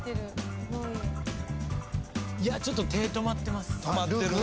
すごい。いやちょっと手止まってます。